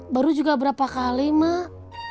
baru juga berapa kali mak